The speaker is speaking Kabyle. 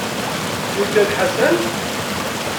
Yuggad Ḥasan?